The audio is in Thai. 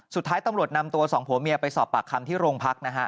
สุดท้ายตำรวจนำตัวสองผัวเมียไปสอบปากคำที่โรงพักนะฮะ